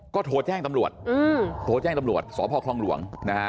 ก็โทรแจ้งตำรวจโทรแจ้งตำรวจสพคลองหลวงนะฮะ